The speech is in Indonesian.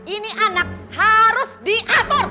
ini anak harus diatur